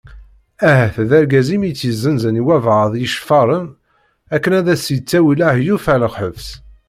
Ahat d argaz-im i tt-yezzenzen i wabɛaḍ iceffaren akken ad as-yettawi lahyuf ɣer lḥebs.